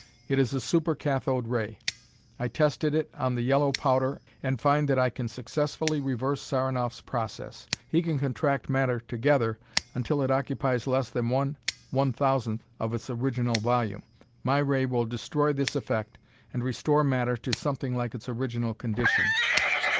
It is a super cathode ray. I tested it on the yellow powder and find that I can successfully reverse Saranoff's process. He can contract matter together until it occupies less than one one thousandth of its original volume. My ray will destroy this effect and restore matter to something like its original condition."